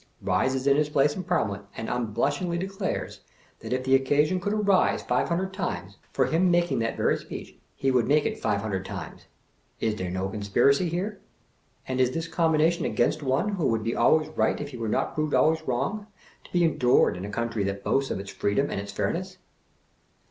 Eises in his place in Parliament, and unblushingly declares that if the occasion could arise five hundred times, for his making that very speech, he would make it five hundred times ! Is there no conspiracy here? And is this combination against one who would be always right if he were not proved always wrong, to be endured in a country that boasts of its freedom and its fair ness?